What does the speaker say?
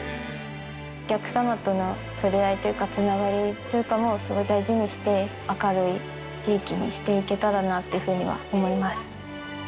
お客様との触れ合いというか、つながりというかも、それを大事にして明るい地域にしていけたらなっていうふうには思います。